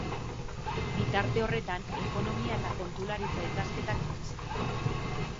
Bitarte horretan ekonomia- eta kontularitza-ikasketak egin zituen.